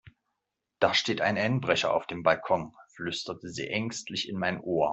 Da steht ein Einbrecher auf dem Balkon, flüsterte sie ängstlich in mein Ohr.